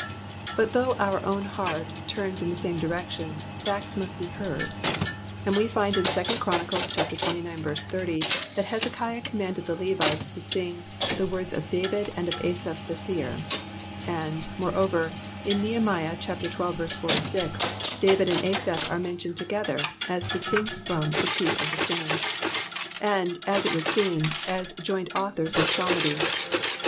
Bui though our own heart turns in the same direction, facts must be heard; and we find in 2 Chron. xxix. 30, thai Uezekiah commanded the Levites to sing the words of David and of Asaph the seer;" and, moreover, in Nehemiah xii. 46, David and Asaph are mentioned together, as distinct from •• the chief of the singers, and. as it u}ould seem, as joint authors if psalmody.